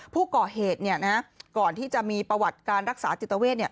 ผู้ก่อเหตุก่อนที่จะมีประวัติการรักษาจิตเวท